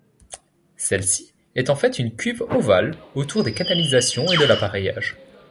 Celle-ci est en fait une cuve ovale autour des canalisations et de l’appareillage.